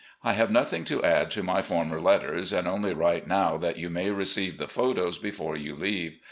I have nothing to add to my former letters, and only write now that you may receive the photos before you leave.